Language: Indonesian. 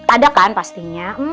ada kan pastinya